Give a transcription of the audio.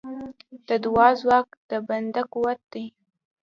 د دعا ځواک د بنده قوت دی.